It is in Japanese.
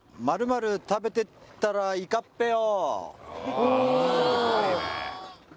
「○○食べてったらいかっぺよ！」